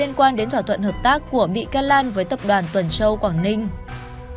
liên quan đến thỏa thuận hợp tác của bị can lan với tập đoàn tuần châu quảng ninh